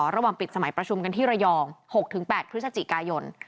ระหว่างปิดสมัยประชุมกันที่ระยอง๖๘พฤศจิกายน